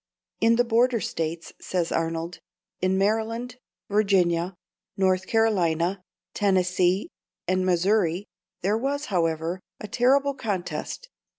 "In the Border States," says Arnold "in Maryland, Virginia, North Carolina, Tennessee, and Missouri there was, however, a terrible contest."